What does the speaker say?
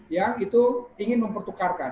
yang itu ingin mempertukarkan